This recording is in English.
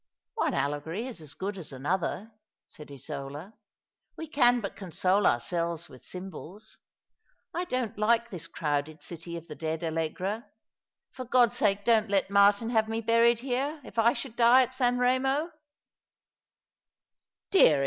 " One allegory is as good as another," said Isola. " We can but console ourselves with symbols. I don't like this crowded city of the dead, Allegra. For God's sake, don't let Martin have me buried here, if I should die at San Eemo!"